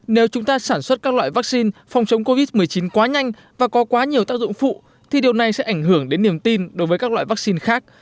nếu chúng ta sản xuất các loại vaccine phòng chống covid một mươi chín quá nhanh và có quá nhiều tác dụng phụ thì điều này sẽ ảnh hưởng đến niềm tin đối với các loại vaccine khác